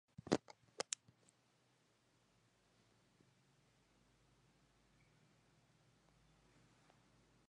Este interinato se extendió hasta mayo del año siguiente.